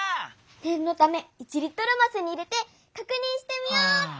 ねんのため１リットルますに入れてかくにんしてみようっと！